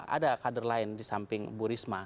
ada kader lain di samping bu risma